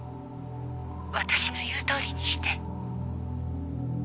「私の言うとおりにして」